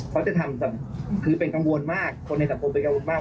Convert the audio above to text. เขาเป็นกังวลมากคนในสัพโปเป็นกังวลมาก